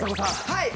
はい。